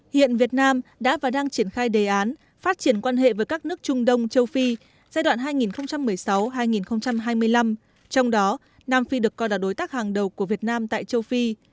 hiện việt nam đã và đang triển khai đề án phát triển quan hệ với các nước trung đông châu phi giai đoạn hai nghìn một mươi sáu hai nghìn hai mươi năm trong đó nam phi được coi là đối tác hàng đầu của việt nam tại châu phi